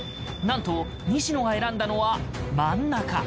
なんと西野が選んだのは真ん中。